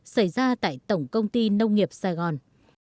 xảy ra tại tổng công ty nông nghiệp sài gòn